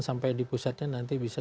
sampai di pusatnya nanti bisa